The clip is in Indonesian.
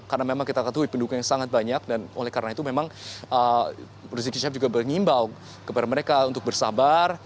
karena memang kita ketahui pendukung yang sangat banyak dan oleh karena itu memang rizik syihab juga berimbau kepada mereka untuk bersabar